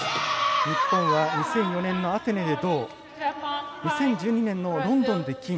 日本は、２００４年のアテネで銅２０１２年のロンドンで金。